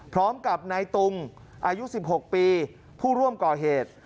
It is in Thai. พร้อมกับนายตุงอายุ๑๖ปีผู้ร่วมก่อเหตุ